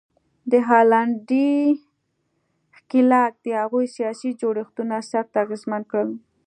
د هالنډي ښکېلاک د هغوی سیاسي جوړښتونه سخت اغېزمن کړل.